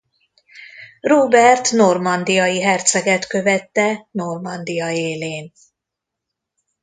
Róbert normandiai herceget követte Normandia élén.